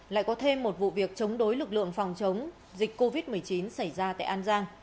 lại có thêm một vụ việc chống đối lực lượng phòng chống dịch covid một mươi chín xảy ra tại an giang